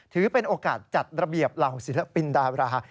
ถือเป็นโอกาสจัดระเบียบเหล่าศิลปินดารา